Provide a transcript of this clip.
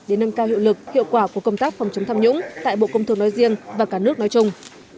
để nâng cao hiệu lực hiệu quả của công tác phòng chống tham nhũng tại bộ công thương nói riêng và cả nước nói chung